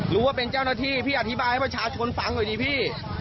ว่าเป็นเจ้าหน้าที่พี่อธิบายให้ประชาชนฟังหน่อยดีพี่